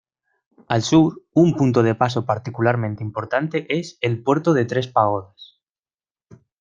Al sur, un punto de paso particularmente importante es el Puerto de Tres Pagodas.